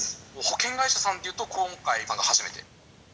保険会社さんでいうと今回が初めて」。